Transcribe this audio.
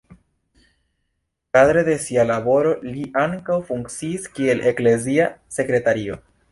Kadre de sia laboro li ankaŭ funkciis kiel eklezia sekretario.